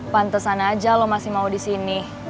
pantesan aja lo masih mau disini